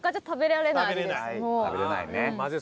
食べれないね。